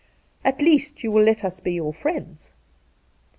At least, you will let us be your friends.'